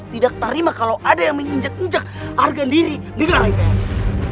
tidak terima kalau ada yang menginjak injak harga diri dengan is